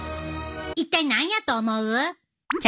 一体何やと思う？